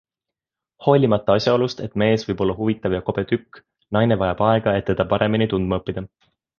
Hoolimata asjaolust, et mees võib olla huvitav ja kobe tükk - naine vajab aega, et teda paremini tundma õppida.